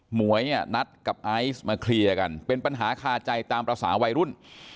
หวยนัดกับไอซ์มาเคลียร์กันเป็นปัญหาคาใจตามภาษาวัยรุ่น